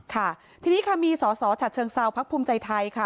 ค่ะทีนี้ค่ะมีสอสอฉัดเชิงเซาพักภูมิใจไทยค่ะ